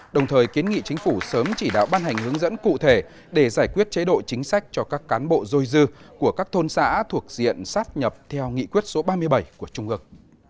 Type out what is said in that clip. đồng thời kiến nghị chính phủ sớm chỉ đạo ban hành hướng dẫn cụ thể để giải quyết chế độ chính sách cho các cán bộ dôi dư của các thôn xã thuộc diện sát nhập theo nghị quyết số ba mươi bảy của trung ước